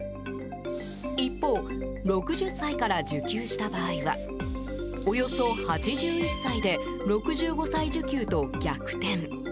一方、６０歳から受給した場合はおよそ８１歳で６５歳受給と逆転。